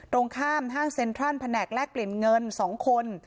ตรงข้ามห้างเซ็นทรัลแผนกแลกเปลี่ยนเงิน๒คน